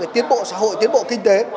tiến bộ xã hội tiến bộ kinh tế